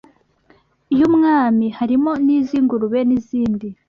y’umwami harimo n’iz’ingurube n’izindi